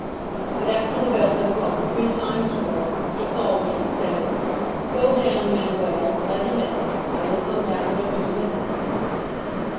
But after the bell had rung three times more, he called me and said, 'Go down, Manuel, let him in. I will come down in a few minutes.'